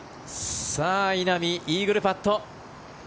さあ、稲見イーグルパット。